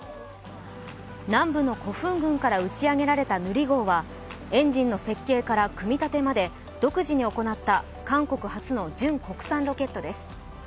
南部のコフン郡から打ち上げられたヌリ号はエンジンの設計から組み立てまで独自に行った韓国初の純国産ロケットです。